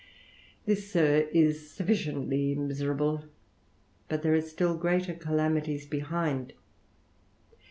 This, Sir, is sufficiently miserable ; but there are i greater calamities behind.